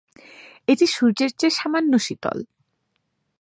এটি সূর্যের চেয়ে সামান্য শীতল।